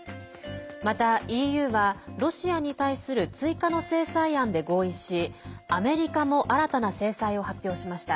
また、ＥＵはロシアに対する追加の制裁案で合意しアメリカも新たな制裁を発表しました。